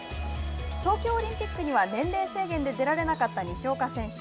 東京オリンピックには年齢制限で出られなかった西岡選手。